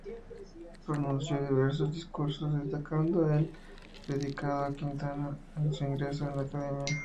Pronunció diversos discursos, destacando el dedicado a Quintana en su ingreso en la Academia.